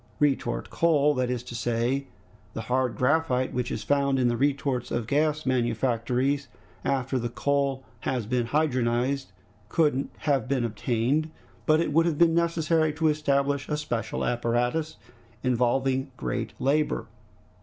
Retort coal, that is to say, the hard graphite which is found in the retorts of gas manufactories, after the coal has been dehydrogenized, could have been obtained, but it would have been necessary to establish a special apparatus, involving great labor.